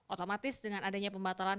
otomatis dengan adanya pembatalan